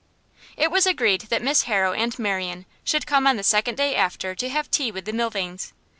It was agreed that Miss Harrow and Marian should come on the second day after to have tea with the Milvains.